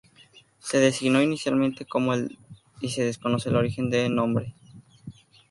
Se designó inicialmente como y se desconoce el origen del nombre.